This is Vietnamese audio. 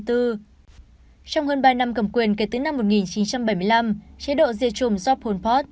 trong hơn ba năm cầm quyền kể từ năm một nghìn chín trăm bảy mươi năm chế độ diệt chủng do pol pot